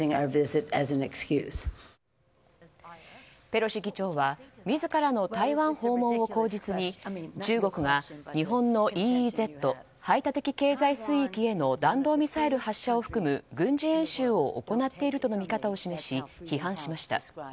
ペロシ議長は自らの台湾訪問を口実に中国が日本のＥＥＺ・排他的経済水域への弾道ミサイル発射を含む軍事演習を行っているとの見方を示し批判しました。